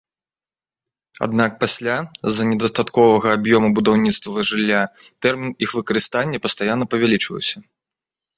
Аднак пасля, з-за недастатковага аб'ёму будаўніцтва жылля, тэрмін іх выкарыстання пастаянна павялічваўся.